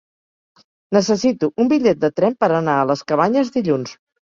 Necessito un bitllet de tren per anar a les Cabanyes dilluns.